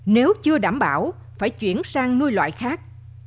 nếu chưa đảm bảo phải chuyển sang nuôi loại khác